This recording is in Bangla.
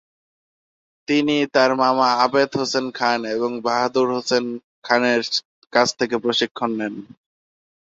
তিনি তার মামা আবেদ হোসেন খান এবং বাহাদুর হোসেন খানের কাছ থেকে প্রশিক্ষণ নেন।